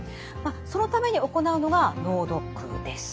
そのために行うのが脳ドックです。